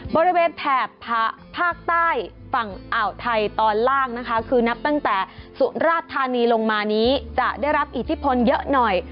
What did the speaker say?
แถบภาคใต้ฝั่งอ่าวไทยตอนล่างนะคะคือนับตั้งแต่สุราชธานีลงมานี้จะได้รับอิทธิพลเยอะหน่อย